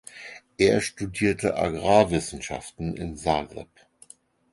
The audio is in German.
Er studierte Agrarwissenschaften in Zagreb.